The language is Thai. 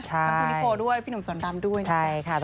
ทั้งคุณนิโกด้วยพี่หนุ่มสอนรามด้วยนะจ๊ะ